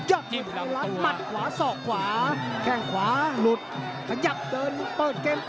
ลัดหมัดขวาสอกขวาแข้งขวาหลุดขยับเดินเปิดเกม